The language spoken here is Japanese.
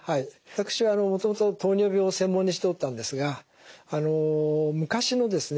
私はもともと糖尿病を専門にしていたのですが昔のですね